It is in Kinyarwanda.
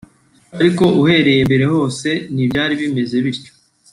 ariko uhereye mbere hose ntibyari bimeze bityo